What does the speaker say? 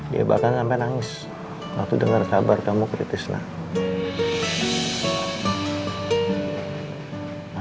dia bahkan sampai nangis waktu dengar kabar kamu ke titis nak